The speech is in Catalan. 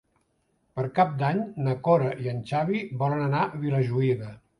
Per Cap d'Any na Cora i en Xavi volen anar a Vilajuïga.